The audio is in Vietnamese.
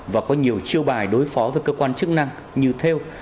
và có nhiều chiêu bài đối phó với cơ quan chức năng như theo